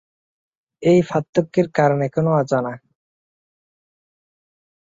এই পার্থক্যের কারণ এখনো অজানা।